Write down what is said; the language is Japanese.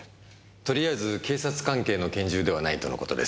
とりあえず警察関係の拳銃ではないとの事です。